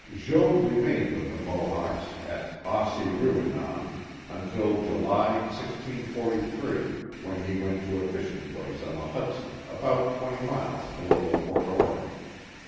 Jogues remained with the Mohawks at Os se ru e non until July, 1643, when he went to a fishing place on the Hudson about twenty miles below Fort Orange.